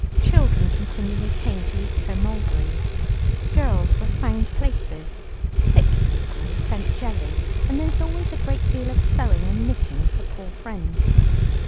Children continually came to eat her mulberries; girls were found places; sick people were sent jelly, and there was always a great deal of sewing and knitting for poor friends.